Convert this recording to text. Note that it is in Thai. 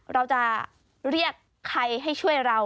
เราจะเรียกใครให้ช่วยเรา